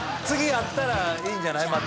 次やったらいいんじゃない？